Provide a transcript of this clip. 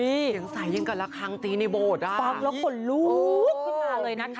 อุ้ยอุ้ยยังใส่ยิ่งกันละครั้งตีในโบสถ์อ่ะปั๊บแล้วขนลูกอู๋ขึ้นมาเลยนะคะ